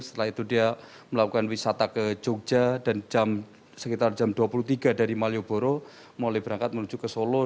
setelah itu dia melakukan wisata ke jogja dan sekitar jam dua puluh tiga dari malioboro mulai berangkat menuju ke solo